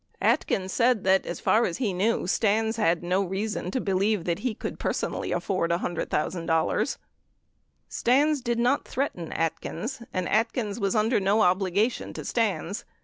45 Atkins said that, as far as he knew, Stans had no reason to believe that he could personally afford $100, 000. 46 Stans did not threaten Atkins, and Atkins was under no obligation to Stans.